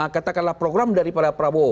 katakanlah program dari para prabowo